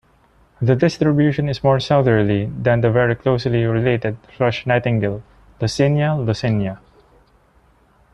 The distribution is more southerly than the very closely related thrush nightingale "Luscinia luscinia".